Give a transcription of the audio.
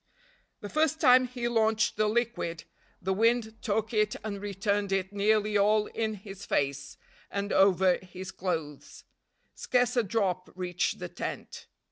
The first time he launched the liquid, the wind took it and returned it nearly all in his face, and over his clothes. Scarce a drop reached the tent.